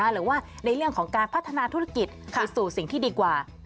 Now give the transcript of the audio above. หรือว่าในเรื่องของการพัฒนาธุรกิจไปสู่สิ่งที่ดีกว่า